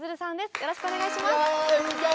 よろしくお願いします。